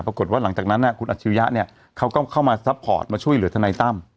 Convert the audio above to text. ปรากฏว่าหลังจากนั้นคุณอัจฉริยะเนี่ยเขาก็เข้ามาซัพพอร์ตมาช่วยเหลือทนายตั้ม